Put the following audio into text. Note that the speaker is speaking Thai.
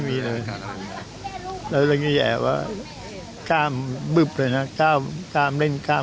ที่กินข้าวกันเมื่อวานเช้าเลยคิดว่าควรเราสามารถการเอง